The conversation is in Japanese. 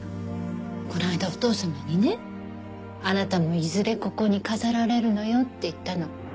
この間お父様にねあなたもいずれここに飾られるのよって言ったの。